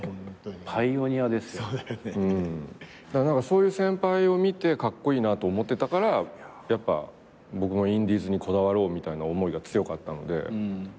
そういう先輩を見てカッコイイなと思ってたからやっぱ僕もインディーズにこだわろうみたいな思いが強かったので。